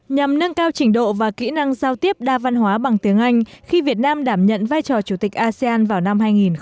nhằm nâng cao trình độ và kỹ năng giao tiếp đa văn hóa bằng tiếng anh khi việt nam đảm nhận vai trò chủ tịch asean vào năm hai nghìn hai mươi